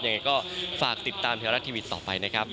ยังไงก็ฝากติดตามธรรมชาติทีวีต่อไปนะครับ